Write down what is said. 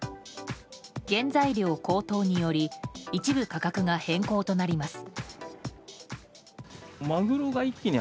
原材料高騰により一部価格が変更となります。